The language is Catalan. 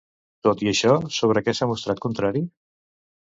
Tot i això, sobre què s'ha mostrat contrari?